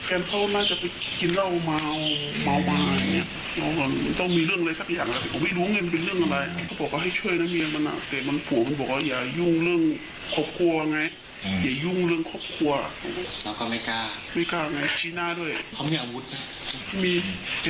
เออตายแล้วเสียงเข้าไปบอกว่าเออทำไมเป็นพิเศษ